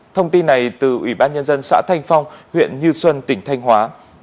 thông tin này từ ủy ban nhân dân xã thanh phong huyện như xuân tỉnh thanh hóa